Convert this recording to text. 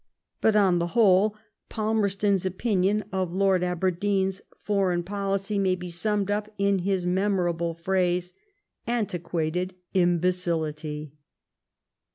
But, on the whole, Palmerston's opinion of Lord Aberdeen's foreign policy may be summed up in his memorable phrase ^' antiquated im becility."